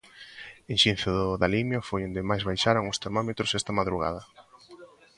En Xinzo da Limia foi onde máis baixaron os termómetros esta madrugada.